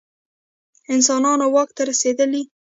انسانان واک ته رسېدلي.